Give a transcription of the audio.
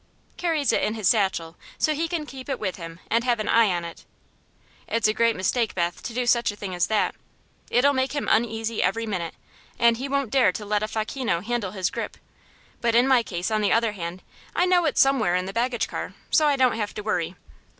"Carries it in his satchel, so he can keep it with him and have an eye on it. It's a great mistake, Beth, to do such a thing as that. It'll make him uneasy every minute, and he won't dare to let a facchino handle his grip. But in my case, on the other hand, I know it's somewhere in the baggage car, so I don't have to worry."